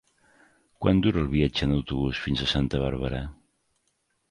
Quant dura el viatge en autobús fins a Santa Bàrbara?